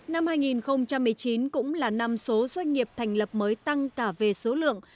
năm hai nghìn một mươi chín cũng là năm số doanh nghiệp thành lập mới tăng cả về số lượng